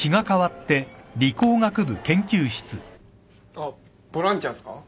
あっボランティアっすか？